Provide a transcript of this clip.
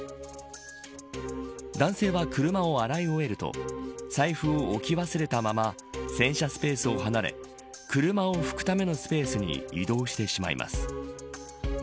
男性は車を洗い終えると財布を置き忘れたまま洗車スペースを離れ車を拭くためのスペースに移動してしまいます。